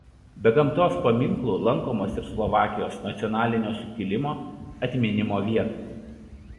Be gamtos paminklų lankomos ir Slovakijos nacionalinio sukilimo atminimo vietos.